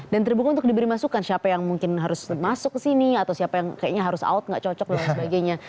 dan terbuka untuk diberi masukan siapa yang mungkin harus masuk ke sini atau siapa yang kayaknya harus out gak cocok dan sebagainya